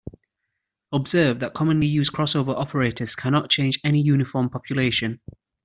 Observe that commonly used crossover operators cannot change any uniform population.